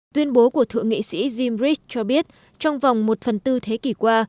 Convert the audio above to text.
tuyên bố của thượng nghị sĩ gimbrich cho biết trong vòng một phần tư thế kỷ qua